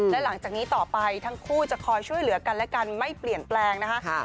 และหลังจากนี้ต่อไปทั้งคู่จะคอยช่วยเหลือกันและกันไม่เปลี่ยนแปลงนะคะ